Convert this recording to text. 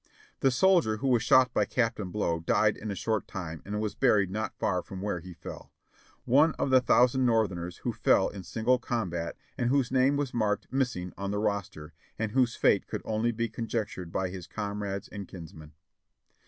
The soldier who was shot by Captain Blow died in a short time and was buried not far from where he fell — one of the thousand Northerners who fell in single combat and whose name was marked "missing" on the roster, and whose fate could only be conjectured by his comrades and kinsmen.